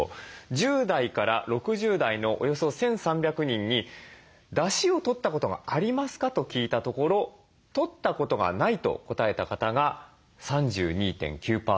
１０代から６０代のおよそ１，３００人に「だしをとったことがありますか？」と聞いたところ「とったことがない」と答えた方が３２．９％。